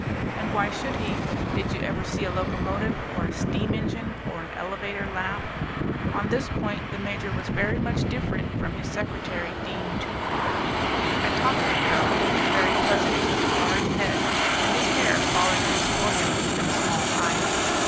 And why should he? Did you ever see a locomotive or a steam engine or an elevator laugh? On this point the Major was very much different from his secretary, Dean Toodrink, a talkative fellow, very pleasant, with large head, and his hair falling on his forehead, and small eyes.